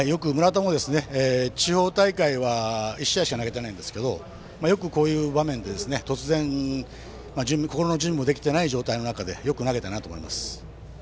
地方大会でも１試合しか投げてませんがこういう場面で突然心の準備もできていない状態でよく投げたなと思います。